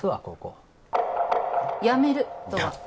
ここやめるとは？